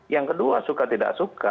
yang kedua suka tidak suka